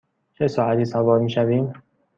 چه ساعتی سوار می شویم؟